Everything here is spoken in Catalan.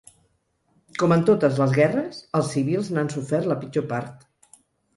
Com en totes les guerres, els civils n’han sofert la pitjor part.